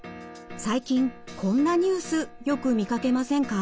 最近こんなニュースよく見かけませんか？